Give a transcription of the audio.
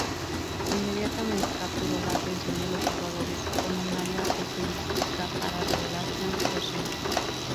Inmediatamente capturó la atención de los jugadores con un aria operística para "Revelations: Persona".